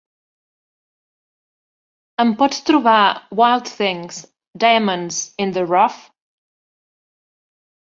Em pots trobar "Wild Things: Diamonds in the Rough"?